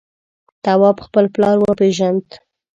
تواب خپل پلار وپېژند.